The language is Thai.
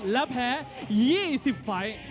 และแพ้๒๐ไฟล์